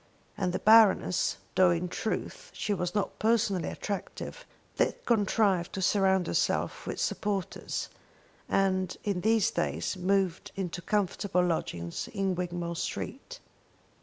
And the Baroness, though in truth she was not personally attractive, did contrive to surround herself with supporters, and in these days moved into comfortable lodgings in Wigmore Street.